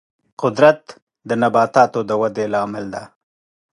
قدرت د نباتاتو د ودې لامل دی.